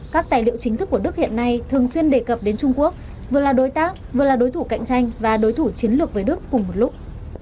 các tài liệu chính thức của đức hiện nay thường xuyên đề cập đến trung quốc vừa là đối tác vừa là đối thủ cạnh tranh và đối thủ chiến lược với đức cùng một lúc